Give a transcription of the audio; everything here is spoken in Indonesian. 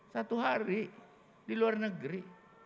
satu hari di luar negeri